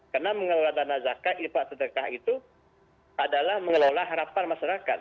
karena mengelola dana zakat infak sedekah itu adalah mengelola harapan masyarakat